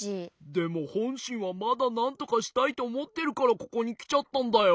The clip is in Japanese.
でもほんしんはまだなんとかしたいとおもってるからここにきちゃったんだよ。